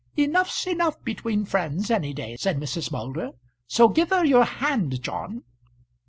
"Enough's enough between friends any day," said Mrs. Moulder. "So give her your hand, John."